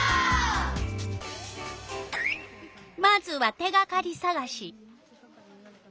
まずは手がかりさがし。